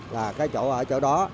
là cái chỗ ở chỗ đó